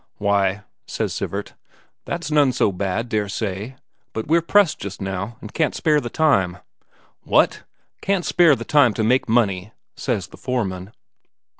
"Why," says Sivert, "that's none so bad, dare say. But we're pressed just now, and can't spare the time." "What? Can't spare the time to make money!" says the foreman.